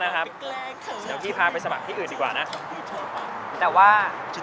ไปไปเดี๋ยวไปดินข้าวต้มกันดีกว่าเออ